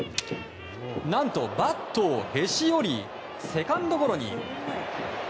何と、バットをへし折りセカンドゴロに。